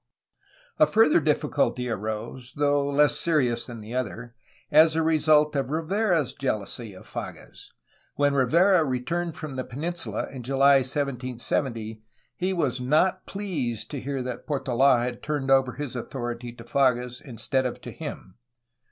A further difficulty arose, though less serious than the other, as a result of Rivera's jealousy of Fages. When Rivera re turned from the peninsula in July 1770, he was not pleased to hear that Portola had turned over his authority to Fages instead of to him.